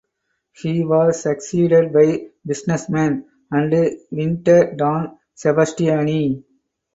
He was succeeded by businessman and vintner Don Sebastiani.